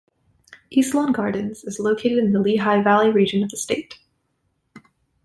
Eastlawn Gardens is located in the Lehigh Valley region of the state.